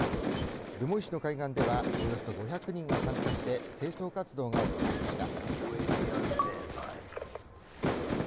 留萌市の海岸ではおよそ５００人が参加して清掃活動が行われました。